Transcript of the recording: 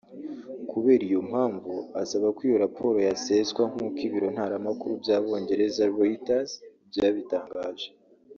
Kubera iyo mpamvu asaba ko iyo raporo yaseswa nk’uko ibiro ntaramakuru by’abongereza Reuters byabitangaje